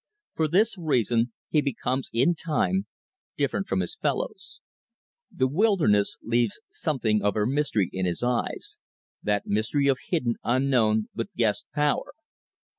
For this reason he becomes in time different from his fellows. The wilderness leaves something of her mystery in his eyes, that mystery of hidden, unknown but guessed, power.